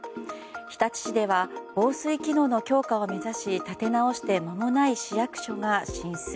日立市では防水機能の強化を目指し立て直して間もない市役所が浸水。